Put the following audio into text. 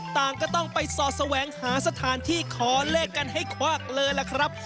ต่างก็ต้องไปสอดแสวงหาสถานที่ขอเลขกันให้ควักเลยล่ะครับ